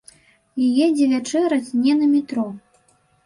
І едзе вячэраць не на метро.